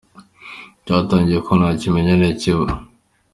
cyatangaje ko nta kimenyane kiba.